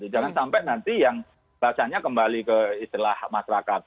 jangan sampai nanti yang bacanya kembali ke istilah masyarakat